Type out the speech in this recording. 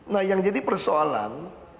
nah yang jadi persoalan